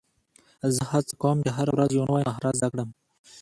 زه هڅه کوم، چي هره ورځ یو نوی مهارت زده کړم.